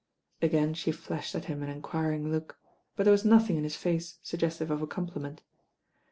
Again she flashed at him an enquiring look; but there was nothing in his face suggestive of a com pliment.